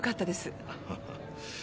ハハハ。